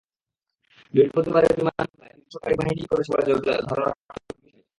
বৃহস্পতিবারের বিমান হামলা সিরীয় সরকারি বাহিনীই করেছে বলে জোর ধারণা তুর্কি সেনাবাহিনীর।